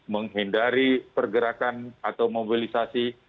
menghindari pergerakan atau mobilisasi